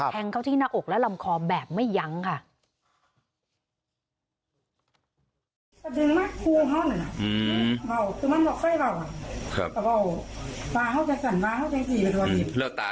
แทงเข้าที่หน้าอกและลำคอแบบไม่ยั้งค่ะ